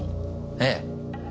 ええ。